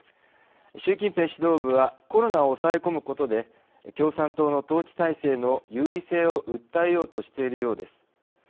習近平指導部はコロナを抑え込むことで共産党の統治体制の優位性を訴えようとしているようです。